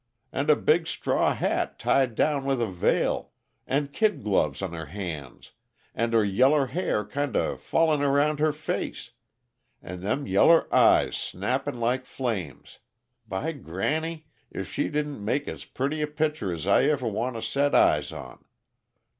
and a big straw hat tied down with a veil, and kid gloves on her hands, and her yeller hair kinda fallin' around her face and them yeller eyes snappin' like flames by granny! if she didn't make as purty a picture as I ever want to set eyes on!